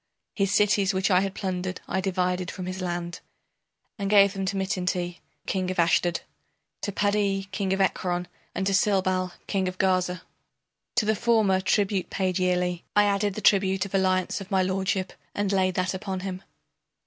His cities which I had plundered I divided from his land And gave them to Mitinti, king of Ashdod, To Padi, king of Ekron, and to Silbal, king of Gaza. To the former tribute paid yearly I added the tribute of alliance of my lordship and Laid that upon him.